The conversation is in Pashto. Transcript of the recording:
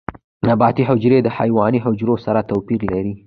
نباتي حجرې د حیواني حجرو سره توپیر لري